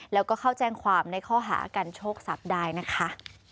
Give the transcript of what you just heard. แล้วก็เข้าแจ้งความในข้อหากันโชคทรัพย์ได้นะคะ